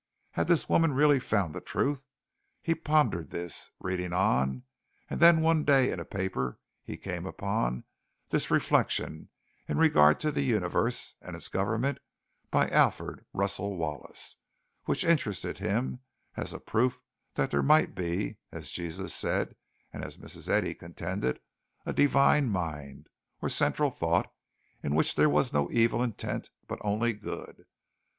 Had this woman really found the truth? He pondered this, reading on, and then one day in a paper he came upon this reflection in regard to the universe and its government by Alfred Russel Wallace, which interested him as a proof that there might be, as Jesus said and as Mrs. Eddy contended, a Divine Mind or central thought in which there was no evil intent, but only good.